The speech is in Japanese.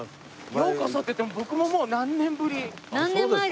ようこそって言っても僕ももう何年ぶり。